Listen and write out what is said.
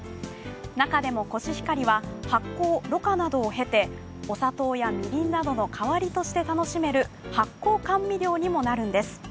中でもコシヒカリは発酵・ろ過などを経てお酒やみりんなどの代わりなどとして楽しめる発酵甘味料にもなるんです。